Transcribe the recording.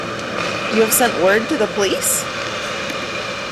You have sent word to the police?